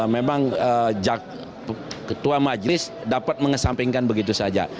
memang ketua majelis dapat mengesampingkan begitu saja